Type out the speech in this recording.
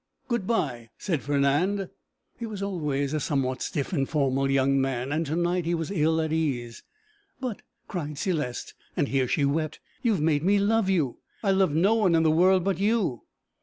'Good bye,' said Fernand. He was always a somewhat stiff and formal young man, and to night he was ill at ease. 'But,' cried Céleste and here she wept 'you have made me love you. I love no one in the world but you.'